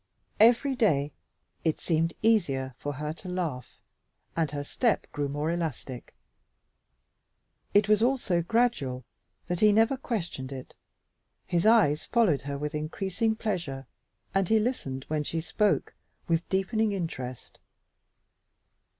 Every day it seemed easier for her to laugh, and her step grew more elastic. It was all so gradual that he never questioned it, but his eyes followed her with increasing pleasure and he listened, when she spoke, with deepening interest.